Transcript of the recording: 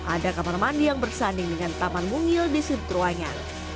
ada kamar mandi yang bersanding dengan taman mungil di sudut ruangnya